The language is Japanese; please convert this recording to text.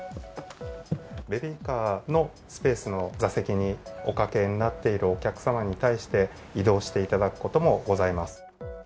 ベビーカーのスペースの座席におかけになっているお客様に対して、移動していただくこともございます。